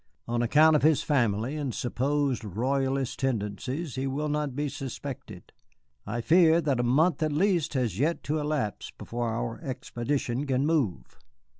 On account of his family and supposed Royalist tendencies he will not be suspected. I fear that a month at least has yet to elapse before our expedition can move."